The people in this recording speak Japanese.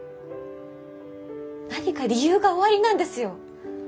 何か理由がおありなんですよ。